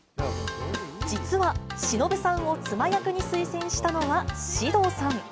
実は、しのぶさんを妻役に推薦したのは獅童さん。